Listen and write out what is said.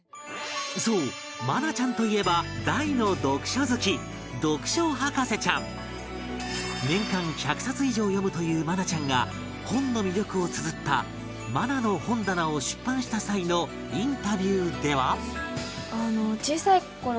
そう愛菜ちゃんといえば年間１００冊以上読むという愛菜ちゃんが本の魅力をつづった『まなの本棚』を出版した際のインタビューでは